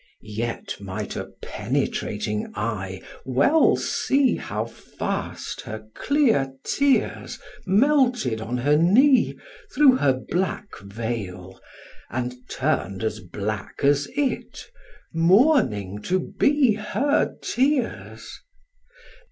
Yet might a penetrating eye well see How fast her clear tears melted on her knee Through her black veil, and turn'd as black as it, Mourning to be her tears.